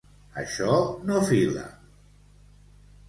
Això no fila!